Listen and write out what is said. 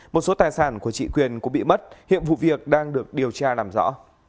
một số tài sản của chị quyền cũng bị mất hiện vụ việc đang được điều tra làm rõ